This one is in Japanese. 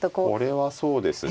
これはそうですね。